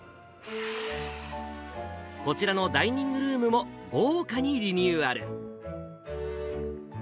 こちらのダイニングルームも豪華にリニューアル。